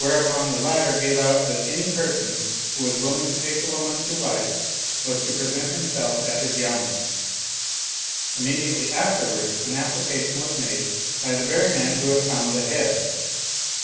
io6 The Stdtan and his Three Sons person who was willing to take the woman to wife was to present himself at his yamen. Immediately afterwards an application was made — ^by the very man who had found the head.